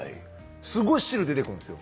すごい汁出てくるんですよ。